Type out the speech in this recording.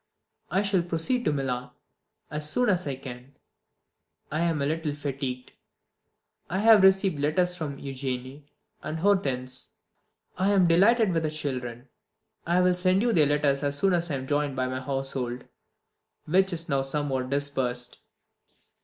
I shall proceed to Milan as soon as I can: I am a little fatigued. I have received letters from Eugene and Hortense. I am delighted with the children. I will send you their letters as soon as I am joined by my household, which is now somewhat dispersed.